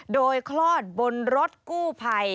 โดยคลอดบนรถกู้ภัย